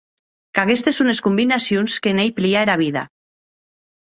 Qu’aguestes son es combinacions que n’ei plia era vida.